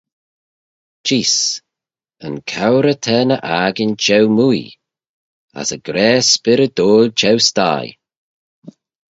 Jees: yn cowrey t'er ny akin çheu-mooie, as y grayse spyrrydoil çheu-sthie.